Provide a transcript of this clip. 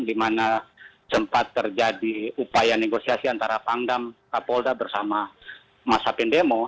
di mana sempat terjadi upaya negosiasi antara pangdam kapolda bersama masa pendemo